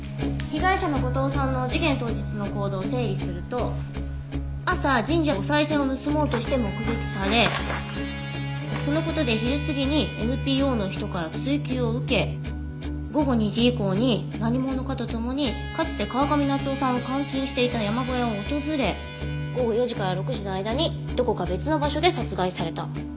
被害者の後藤さんの事件当日の行動を整理すると朝神社でおさい銭を盗もうとして目撃されその事で昼すぎにＮＰＯの人から追及を受け午後２時以降に何者かと共にかつて川上夏夫さんを監禁していた山小屋を訪れ午後４時から６時の間にどこか別の場所で殺害された。